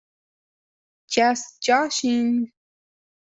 Just joshing!